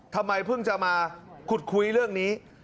ทำไมเพิ่งจะมาขุดคุยเรื่องนี้